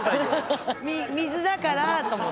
水だからと思って。